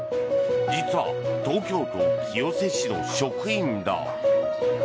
実は東京都清瀬市の職員だ。